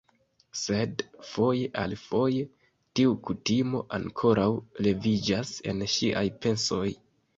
Sed, foje al foje, tiu kutimo ankoraŭ leviĝas en ŝiaj pensoj